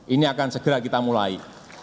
ini akan segera kita mulai